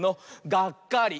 「がっかり」！